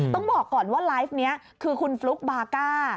ต้องบอกก่อนว่าไลฟ์นี้คือคุณฟลุ๊กบาก้า